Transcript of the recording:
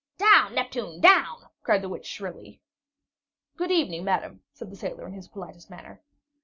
"Down, Neptune, down!" cried the witch shrilly. "Good evening, madam," said the sailor in his politest manner.